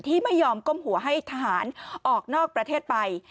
ที่ไม่ยอมก้มหัวให้ทหารออกนอกประเทศไป